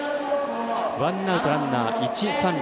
ワンアウト、ランナー、一、三塁。